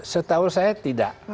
setahu saya tidak